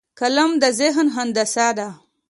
قلم د ذهن هندسه ده